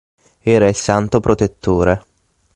Era il Santo Protettore.